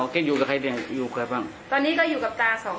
จะจัดสิ่งนะครับ